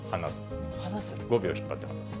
５秒引っ張って離す。